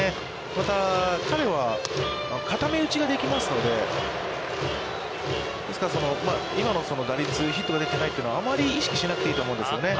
また彼は固め打ちができますので、ですから、今の打率、ヒットが出てないというのはあまり意識しなくていいと思うんですよね。